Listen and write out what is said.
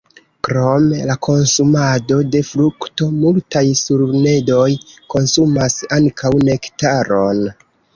Krom la konsumado de frukto, multaj sturnedoj konsumas ankaŭ nektaron.